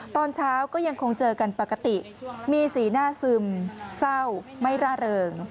ตอนเช้าก็ยังคงเจอกันปกติมีสีหน้าซึมเศร้าไม่ร่าเริง